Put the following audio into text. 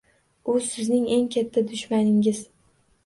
U sizning eng katta dushmaningiz!